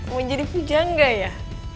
mau jadi puja enggak ya